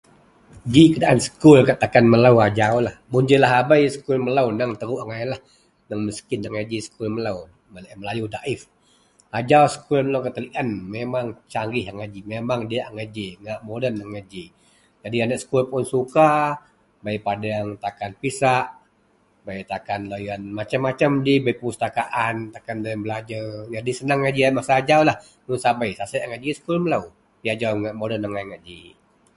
Ji keadaan sekul gak takan melou ajaulah, mun ji lahabei sekul melou neng teruk angailah, neng miskin angai ji sekul melou, sama laei Melayu daif. Ajau sekul melou gak Tellian memang canggih angai ji, memang diyak angai ji, ngak muden angai ji. Jadi aneak sekul pun suka bei padeang takan pisak, bei takan loyen macem-macem ji perpustakaan takan loyen belajer. Jadi seneng angai ji masa ajaulah, mun sabei sasek angai ji sekul melou. Ji ajau ngak moden angai ngak ji.